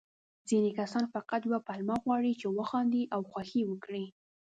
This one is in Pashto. ځيني کسان فقط يوه پلمه غواړي، چې وخاندي او خوښي وکړي.